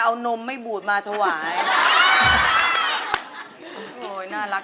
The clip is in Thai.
เป็นเรื่องราวของแม่นาคกับพี่ม่าครับ